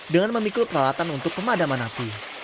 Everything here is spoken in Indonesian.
dengan memikul peralatan untuk pemadaman api